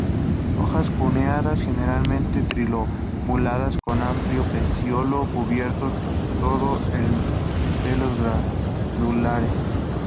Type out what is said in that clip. Hojas cuneadas, generalmente trilobuladas, con un amplio pecíolo, cubierto todo el de pelos glandulares.